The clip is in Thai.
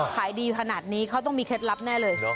ขายดีขนาดนี้เขาต้องมีเคล็ดลับแน่เลย